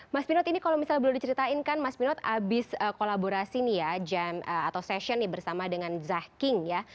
mas pinot ini kalau misalnya boleh diceritain kan mas pinot habis kolaborasi nih ya jam atau session bersama dengan zah king ya